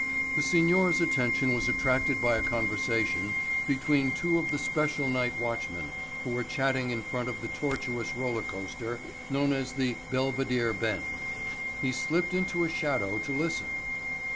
The Signor's attention was attracted by a conversation between two of the special night watchmen who were chatting in front of the tortuous roller coaster known as the Belvidere Bend. He slipped into a shadow to listen.